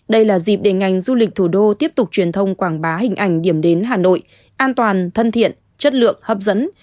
đây là dịp để ngành du lịch thủ đô tiếp tục truyền thông quảng bá hình ảnh điểm đến hà nội an toàn thân thiện chất lượng hấp dẫn